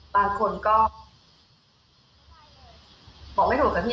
บางคนก็บอกไม่ถูกอะพี่